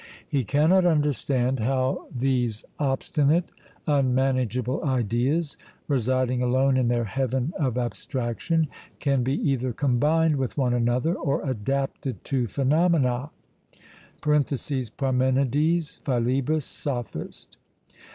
He cannot understand how these obstinate, unmanageable ideas, residing alone in their heaven of abstraction, can be either combined with one another, or adapted to phenomena (Parmenides, Philebus, Sophist).